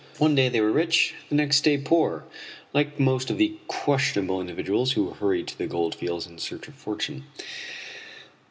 One day they were rich, the next day poor, like most of the questionable individuals who had hurried to the gold fields in search of fortune.